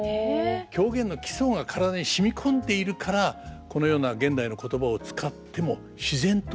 狂言の基礎が体に染み込んでいるからこのような現代の言葉を使っても自然と狂言になるんでしょうね。